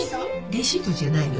レシートじゃないよ。